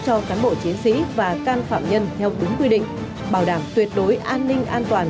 cho cán bộ chiến sĩ và can phạm nhân theo đúng quy định bảo đảm tuyệt đối an ninh an toàn